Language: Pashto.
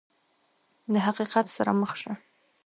د حقیقت سره مخ شه !